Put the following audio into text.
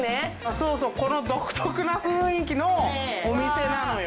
そうそうこの独特な雰囲気のお店なのよ